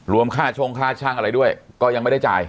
ค่าช่งค่าช่างอะไรด้วยก็ยังไม่ได้จ่าย